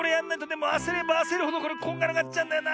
でもあせればあせるほどこれこんがらがっちゃうんだよな。